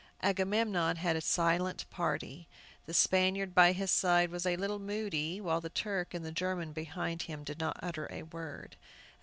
Agamemnon had a silent party. The Spaniard by his side was a little moody, while the Turk and the German behind did not utter a word.